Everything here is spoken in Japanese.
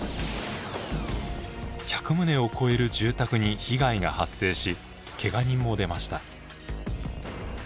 １００棟を超える住宅に被害が発生しけが人も出ました。